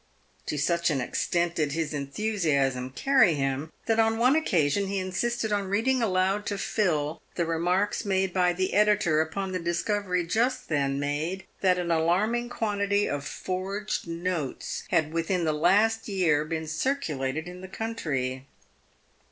To such an extent did his enthusiasm carry him, that on one occasion he insisted on reading aloud to Phil the remarks made by the editor upon the dis covery just then made, that an alarming quantity of forged notes had within the last year been circulated in the country.